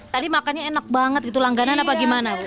tadi makannya enak banget gitu langganan apa gimana